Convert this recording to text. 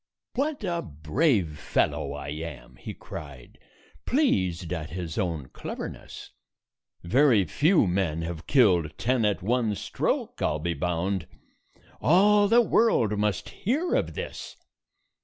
"What a brave fellow I am!" he cried, pleased at his own cleverness. "Very few men have killed ten at one stroke, I 'll be bound. All the world must hear of this."